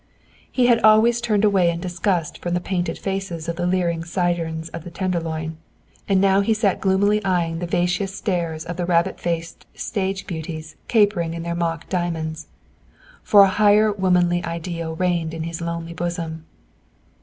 He had always turned away in disgust from the painted faces of the leering sirens of the Tenderloin, and now he sat gloomily eying the vacuous stare of the rabbit faced stage beauties capering in their mock diamonds. For a higher womanly ideal reigned in his lonely bosom.